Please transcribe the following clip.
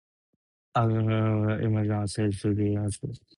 A chiral object and its mirror image are said to be enantiomorphs.